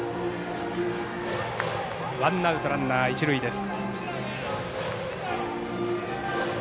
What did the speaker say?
ワンアウトランナー、一塁です。